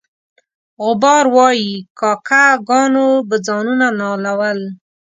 غبار وایي کاکه ګانو به ځانونه نالول.